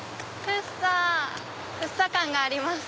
福生感があります。